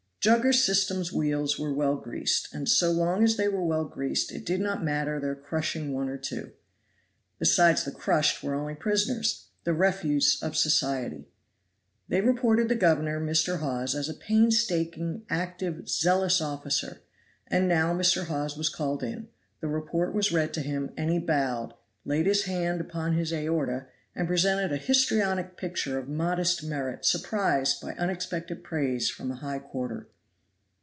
Jugger system's wheels were well greased, and so long as they were well greased it did not matter their crushing one or two. Besides the crushed were only prisoners the refuse of society. They reported the governor, Mr. Hawes, as a painstaking, active, zealous officer; and now Mr. Hawes was called in the report was read to him and he bowed, laid his hand upon his aorta, and presented a histrionic picture of modest merit surprised by unexpected praise from a high quarter.